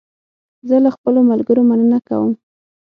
زه له خپلو ملګرو مننه کوم.